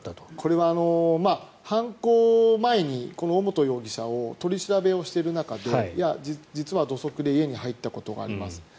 これは犯行前に尾本容疑者を取り調べしている中で実は土足で家に入ったことがありますと。